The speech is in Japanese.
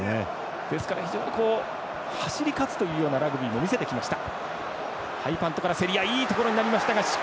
非常に走り勝つというようなラグビーも見せてきました。